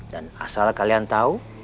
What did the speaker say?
dan asal kalian tahu